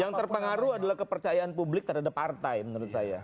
yang terpengaruh adalah kepercayaan publik terhadap partai menurut saya